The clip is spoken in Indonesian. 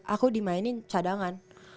aku dimainin cadangan